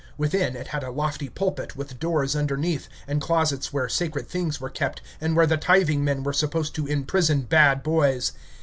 Within it had a lofty pulpit, with doors underneath and closets where sacred things were kept, and where the tithing men were supposed to imprison bad boys.